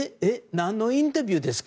何のインタビューですか？